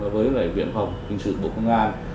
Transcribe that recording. với viện phòng kinh sự bộ công an